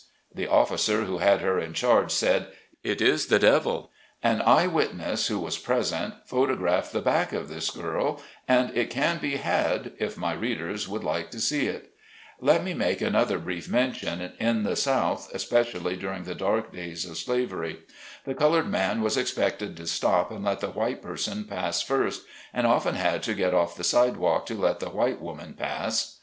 " The officer who had her in charge said, "It is the devil." An eye wit ness who was present photographed the back of this girl, and it can be had if my readers would like to see it. Let me make another brief mention, in the IN A VIRGINIA PULPIT. 63 South, especially during the dark days of slavery. The colored man was expected to stop and let the white person pass first, and often had to get off the sidewalk to let the white woman pass.